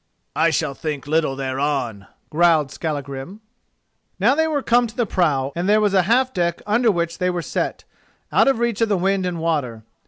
"I shall think little thereon," growled Skallagrim. Now they were come to the prow, and there was a half deck under which they were set, out of reach of the wind and water.